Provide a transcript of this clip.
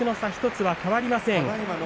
１つは変わりません。